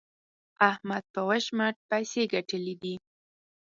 احمد په وچ مټ پيسې ګټلې دي.